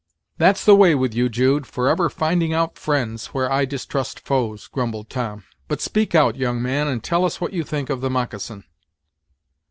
"That's the way with you, Jude; forever finding out friends, where I distrust foes," grumbled Tom: "but, speak out, young man, and tell us what you think of the moccasin."